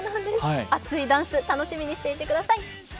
熱いダンス、楽しみにしていてください。